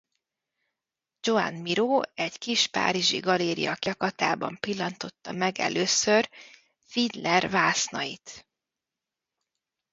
Joan Miró egy kis párizsi galéria kirakatában pillantotta meg először Fiedler vásznait.